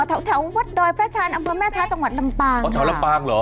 อ่าแถวเวอร์ดรพระอาจารย์อำเมธาจังหวัดลำปางค่ะโอ้แถวลำปางหรอ